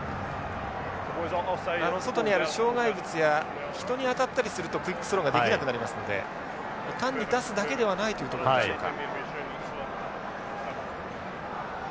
外にある障害物や人に当たったりするとクイックスローができなくなりますので単に出すだけではないというところでしょうか。